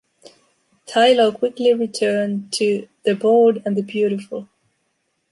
Tylo quickly returned to "The Bold and the Beautiful".